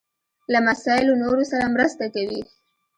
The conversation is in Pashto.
لمسی له نورو سره مرسته کوي.